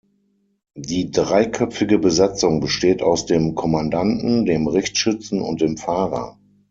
Die dreiköpfige Besatzung besteht aus dem Kommandanten, dem Richtschützen und dem Fahrer.